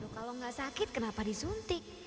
kalau nggak sakit kenapa disuntik